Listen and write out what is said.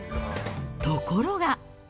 ところが。